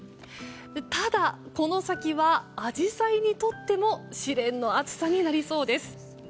ただ、この先はアジサイにとっても試練の暑さになりそうです。